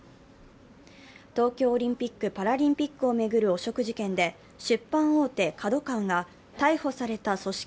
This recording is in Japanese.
東京オリンピック・パラリンピックを巡る汚職事件で出版大手ＫＡＤＯＫＡＷＡが、逮捕された組織